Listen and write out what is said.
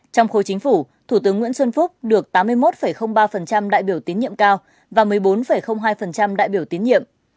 trong khối chính phủ thủ tướng nguyễn xuân phúc được tám mươi một ba đại biểu tín nhiệm cao và một mươi bốn hai đại biểu tín nhiệm